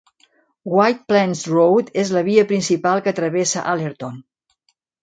White Plains Road és la via principal que travessa Allerton.